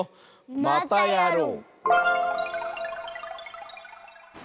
またやろう！